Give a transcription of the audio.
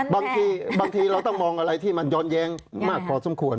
บางทีเราต้องมองอะไรที่มันย้อนแย้งมากพอสมควร